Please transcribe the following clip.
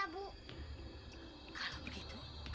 bedak yang cantik